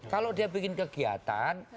kalau dia bikin kegiatan